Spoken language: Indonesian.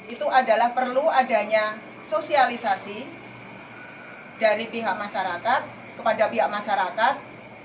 itu adalah perlu adanya sosialisasi dari pihak masyarakat kepada pihak masyarakat